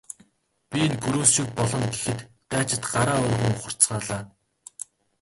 Би энэ гөрөөс шиг болгоно гэхэд дайчид гараа өргөн ухарцгаалаа.